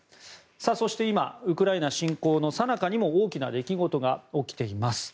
そして、今ウクライナ侵攻のさなかにも大きな出来事が起きています。